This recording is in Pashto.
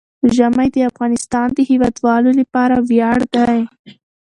ژمی د افغانستان د هیوادوالو لپاره ویاړ دی.